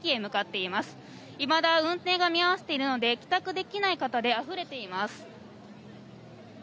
いまだ運転が見合わせているので帰宅できない方であふれています。